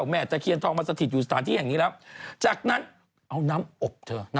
น้ำอบไทยโบราณมาเท